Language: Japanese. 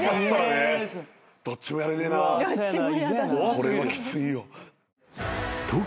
これはきついよ。